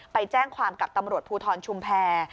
ไปแจ้งความกับตำรวจภูทรชุมแพร